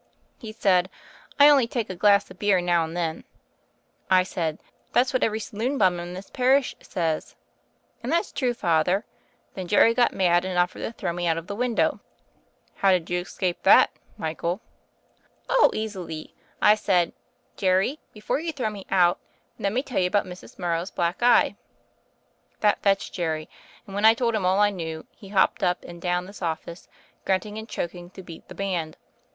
He said, 'I only take a glass of beer now and then.' I said 'That's what every saloon bum in this parish says.' And that's true, Father. Then Jerry got mad and offered to throw me out of the window." "How did you escape that, Michael?" 55 56 THE FAIRY OF THE SNOWS "Oh, easily. I said, *Jerry, before you throw me out, let me tell you about Mrs. Morrow's black eye.' That fetched Jerry, and when I told him all I knew he hopped up and down this office, grunting and choking to beat the band.